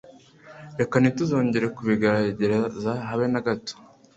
Reka ntituzongere kubigerageza habe n'agato